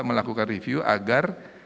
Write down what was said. melakukan review agar